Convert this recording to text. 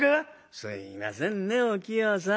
すいませんねお清さん。